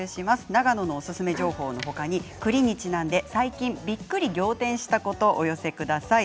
長野のおすすめ情報の他に栗にちなんで最近びっクリ仰天したことをお寄せください。